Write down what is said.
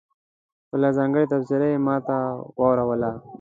خپله ځانګړې تبصره یې ماته واوروله.